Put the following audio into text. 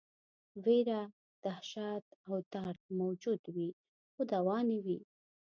ویره، دهشت او درد موجود وي خو دوا نه وي.